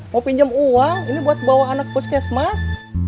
mau pinjam uang ini buat bawa anak puskesmas